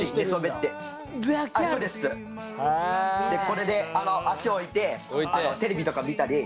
これで足置いてテレビとか見たり。